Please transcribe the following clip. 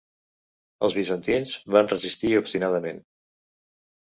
Els bizantins van resistir obstinadament.